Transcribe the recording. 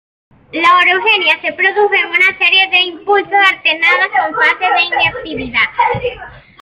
La Orogenia se produjo en una serie de impulsos, alternadas con fases de inactividad.